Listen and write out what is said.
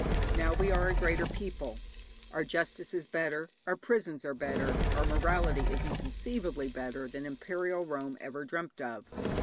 Now we are a greater people, our justice is better, our prisons are better, our morality is inconceivably better than Imperial Rome ever dreamt of.